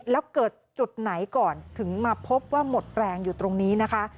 แล้วเกิดจุดไหนก่อนถึงมาพบว่าหมดแรงอยู่ตรงนี้นะคะ